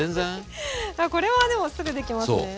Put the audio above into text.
これはでもすぐできますね。